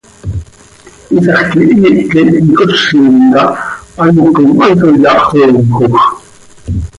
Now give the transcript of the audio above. Iisax quihiih quih cöicozim cah hant com hanso yahxoomjoj.